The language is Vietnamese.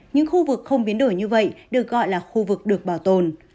những khu vực không biến đổi như vậy được gọi là khu vực được bảo tồn